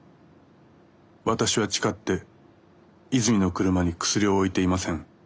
「私は誓って泉の車にクスリを置いていません。